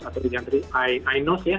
atau yang tadi inos ya